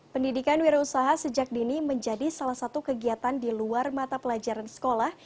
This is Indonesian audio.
pendidikan wira usaha sejak dini menjadi salah satu kegiatan di luar mata pelajaran sekolah